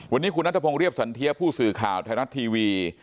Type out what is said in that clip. วันนี้คุณนัทพงศ์เรียบสันเทียผู้สื่อข่าวไทยรัฐทีวี